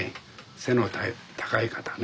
背の高い方ね